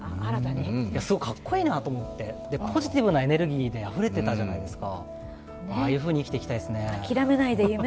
すごくかっこいいなと思って、ポジティブなエネルギーであふれていたじゃないですか。